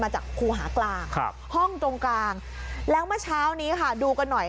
จากครูหากลางครับห้องตรงกลางแล้วเมื่อเช้านี้ค่ะดูกันหน่อย